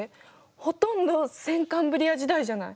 ほとんど先カンブリア時代じゃない。